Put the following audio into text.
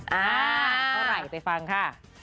เท่าไหร่ไปฟังค่ะ